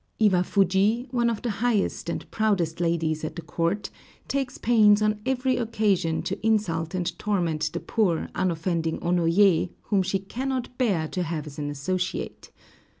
Iwafuji, one of the highest and proudest ladies at the court, takes pains on every occasion to insult and torment the poor, unoffending Onoyé, whom she cannot bear to have as an associate.